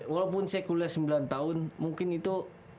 walaupun saya kuliah sembilan tahun mungkin itu